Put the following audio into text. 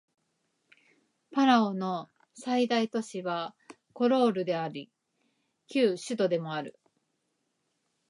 パラオの最大都市はコロールであり旧首都でもある